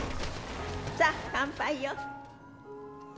さあ、乾杯よ。